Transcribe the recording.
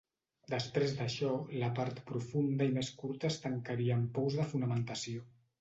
Després d'això, la part profunda i més curta es tancaria amb pous de fonamentació.